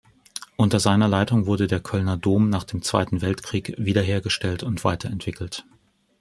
Unter seiner Leitung wurde der Kölner Dom nach dem Zweiten Weltkrieg wiederhergestellt und weiterentwickelt.